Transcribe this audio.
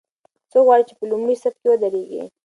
څوک غواړي چې په لومړي صف کې ودریږي؟